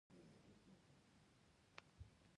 مزارشریف د افغانستان د ښاري پراختیا یو خورا لوی سبب دی.